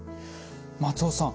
松尾さん